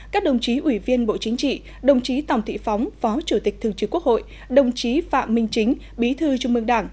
các đồng chí ủy viên bộ chính trị đồng chí tòng thị phóng phó chủ tịch thường trực quốc hội đồng chí phạm minh chính bí thư trung mương đảng